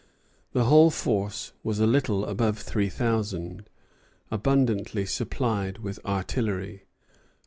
The whole force was a little above three thousand, abundantly supplied with artillery.